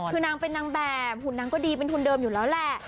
คือนางเป็นนางแบบหุ่นนางก็ดีเป็นทุนเดิมอยู่แล้วแหละ